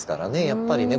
やっぱりね